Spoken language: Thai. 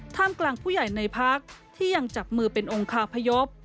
กลางผู้ใหญ่ในพักที่ยังจับมือเป็นองคาพยพ